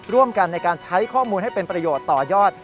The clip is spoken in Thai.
ร่วมกันในการใช้ข้อมูลให้เป็นประโยชน์ต่อยอด